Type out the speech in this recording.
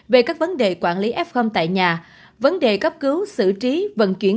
về các vấn đề quản lý f tại nhà vấn đề cấp cứu xử trí vận chuyển